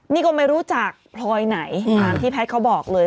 นี่ก็ไม่รู้จักพลอยไหนตามที่แพทย์เขาบอกเลย